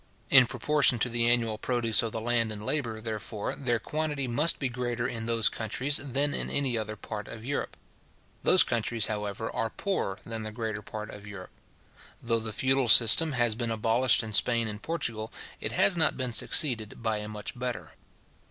In proportion to the annual produce of the land and labour, therefore, their quantity must be greater in those countries than in any other part of Europe; those countries, however, are poorer than the greater part of Europe. Though the feudal system has been abolished in Spain and Portugal, it has not been succeeded by a much better.